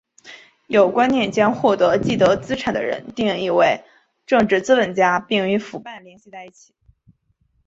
有观念将获得既得资产的人定义为政治资本家并与腐败联系在一起。